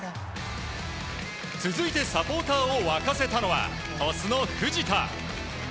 続いてサポーターを沸かせたのは鳥栖の藤田。